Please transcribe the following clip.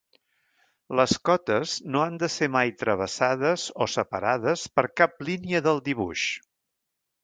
Les cotes no han de ser mai travessades o separades per cap línia del dibuix.